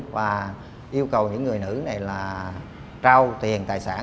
và yêu cầu những người nữ này là trao tiền tài sản